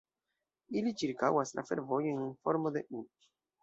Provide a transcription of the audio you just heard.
Ili ĉirkaŭas la fervojojn en formo de "U".